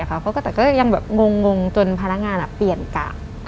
ก็ยังงงจนพนักงานเปลี่ยนกะ